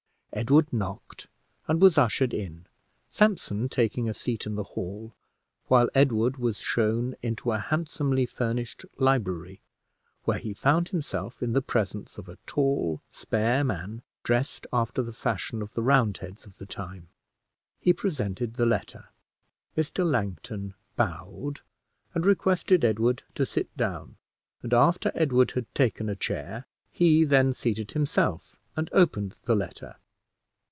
Edward knocked and was ushered in, Sampson taking a seat in the hall, while Edward was shown into a handsomely furnished library, where he found himself in the presence of a tall, spare man, dressed after the fashion of the Roundheads of the time. He presented the letter. Mr. Langton bowed, and requested Edward to sit down; and, after Edward had taken a chair, he then seated himself and opened the letter.